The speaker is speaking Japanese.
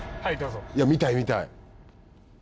いや見たい見たい。